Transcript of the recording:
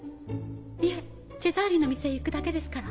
いえチェザーリの店へ行くだけですから。